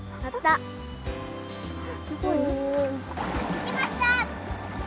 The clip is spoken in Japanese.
行きました。